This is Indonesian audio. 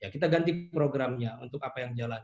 kita ganti programnya untuk apa yang jalan